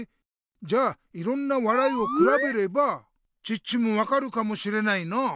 じゃあいろんな笑いをくらべればチッチも分かるかもしれないなあ。